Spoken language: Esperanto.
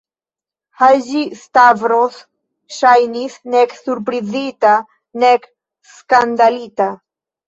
Haĝi-Stavros ŝajnis nek surprizita, nek skandalita.